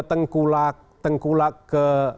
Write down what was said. tengkulak tengkulak ke